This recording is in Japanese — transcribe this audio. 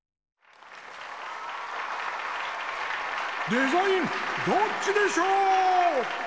「デザインどっちでショー」！